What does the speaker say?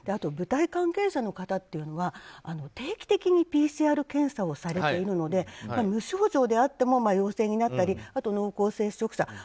舞台関係者の方は定期的にＰＣＲ検査をされているので無症状であっても陽性になったりあと、濃厚接触者